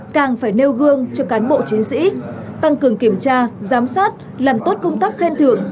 càng phải nêu gương cho cán bộ chiến sĩ tăng cường kiểm tra giám sát làm tốt công tác khen thưởng